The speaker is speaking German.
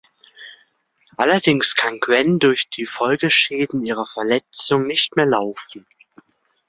Allerdings kann Gwen durch die Folgeschäden ihrer Verletzung nicht mehr laufen.